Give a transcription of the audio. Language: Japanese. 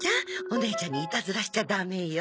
お姉ちゃんにイタズラしちゃダメよ。